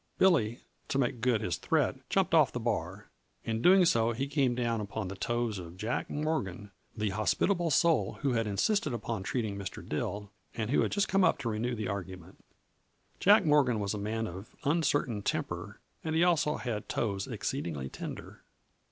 Billy, to make good his threat, jumped off the bar. In doing so he came down upon the toes of Jack Morgan, the hospitable soul who had insisted upon treating Mr. Dill and who had just come up to renew the argument. Jack Morgan was a man of uncertain temper and he also had toes exceedingly tender.